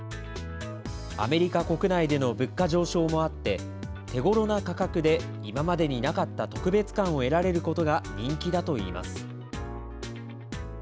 アメリカ国内での物価上昇もあって、手ごろな価格で今までになかった特別感を得られることが人気だといいます。